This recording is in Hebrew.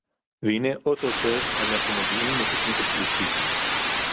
והנה או-טו-טו אנחנו מגיעים לתוכנית השלישית